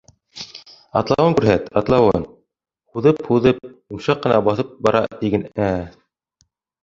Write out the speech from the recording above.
Атлауын күрһәт, атлауын, һуҙып-һуҙып, йомшаҡ ҡына баҫып бара тиген, ә!